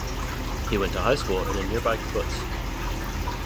He went to high school in a nearby kibbutz.